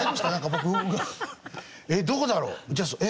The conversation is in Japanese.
えっどこだろう？